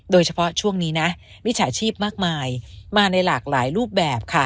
โดยเฉพาะช่วงนี้นะมิจฉาชีพมากมายมาในหลากหลายรูปแบบค่ะ